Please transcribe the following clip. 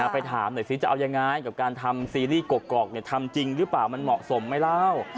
ไปถามหน่อยซิจะเอายังไงกับการทำซีรีส์กรอกทำจริงหรือเปล่ามันเหมาะสมไหมเล่า